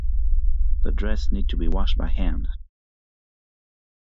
The dress needs to be washed by hand.